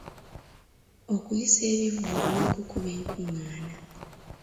Okuyisa ebivvulu n'okukuba enkung'aana.